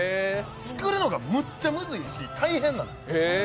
作るのがむっちゃむずいし、大変なんです。